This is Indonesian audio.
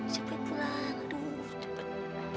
cepet pulang aduh cepet